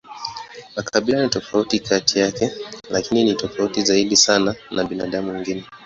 Makabila ni tofauti kati yake, lakini ni tofauti zaidi sana na binadamu wengine.